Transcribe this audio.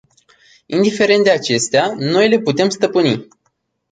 Indiferent de acestea, noi le putem stăpâni.